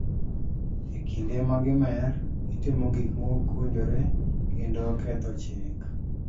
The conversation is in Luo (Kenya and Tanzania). E kinde ma gi mer, gitimo gik mokowinjore kendo ketho chik.